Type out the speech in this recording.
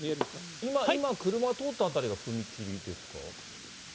今、車通った辺りが踏切ですか？